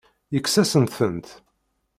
Yekkes-asent-tent.